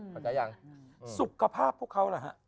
เข้าใจยังสุขภาพพวกเขาล่ะฮะ